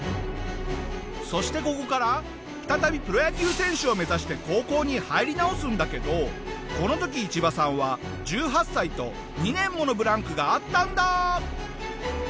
そしてここから再びプロ野球選手を目指して高校に入り直すんだけどこの時イチバさんは１８歳と２年ものブランクがあったんだ。